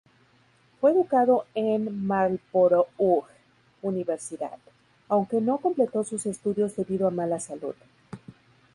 Fue educado en Marlborough Universidad, aunque no completó sus estudios debido a mala salud.